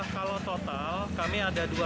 kalau total kami ada dua puluh lima